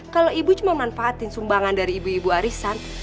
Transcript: kalau ibu cuma manfaatin sumbangan dari ibu ibu arisan